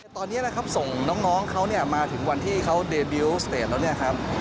ตอนนี้นะครับส่งน้องเขาเนี่ยมาถึงวันที่เขาเดบิวสเตจแล้วเนี่ยครับ